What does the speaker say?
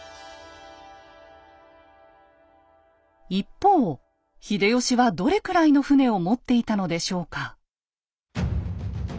一方秀吉はどれくらいの船を持っていたのでしょうか？